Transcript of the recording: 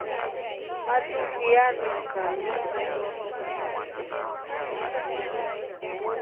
Matuvi nyanuka.